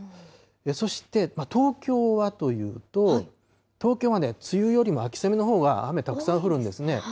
そして、東京はというと、東京はね、梅雨よりも秋雨のほうが雨たくさん降るんですね。